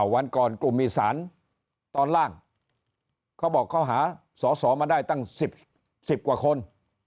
วันก่อนกลุ่มอีสานตอนล่างเขาบอกเขาหาสอสอมาได้ตั้ง๑๐กว่าคน